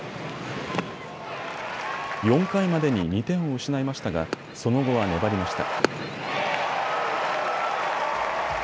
４回までに２点を失いましたがその後は粘りました。